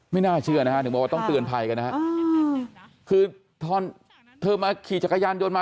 ไม่น่าเชื่อนะถึงบอกว่าต้องเตือนภัยกันนะคือเธอมาขี่จักรยานโยนมา